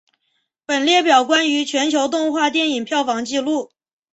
本列表关于全球动画电影票房纪录。